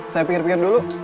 saya pikir pikir dulu